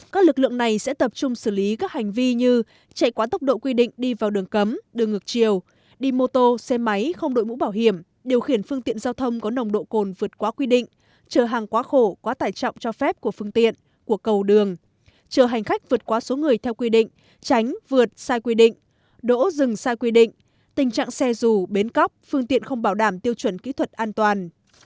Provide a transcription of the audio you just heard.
các lực lượng này sẽ tập trung xử lý các hành vi như chạy quá tốc độ quy định đi vào đường cấm đường ngược chiều đi mô tô xe máy không đội mũ bảo hiểm điều khiển phương tiện giao thông có nồng độ cồn vượt quá quy định chờ hàng quá khổ quá tải trọng cho phép của phương tiện của cầu đường chờ hành khách vượt quá số người theo quy định tránh vượt sai quy định đỗ dừng sai quy định tình trạng xe rù bến cóc phương tiện không bảo đảm tiêu chuẩn kỹ thuật an toàn